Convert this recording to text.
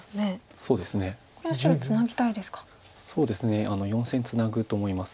そうですね４線ツナぐと思います。